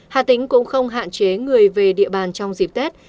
hạ tính cũng không hạn chế người về địa bàn trong dịp tết